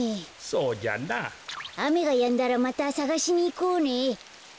あめがやんだらまたさがしにいこうね。